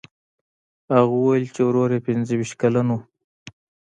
هغه وویل چې ورور یې پنځه ویشت کلن و.